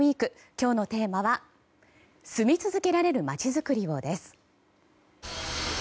今日のテーマは「住み続けられるまちづくりを」です。